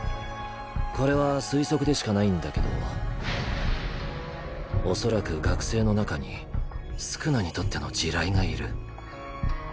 これは推測でしかないんだけどおそらく学生の中に宿儺にとっての地雷がいる。